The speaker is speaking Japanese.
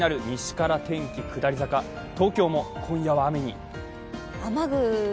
西から天気は下り坂、東京も今夜は雨に。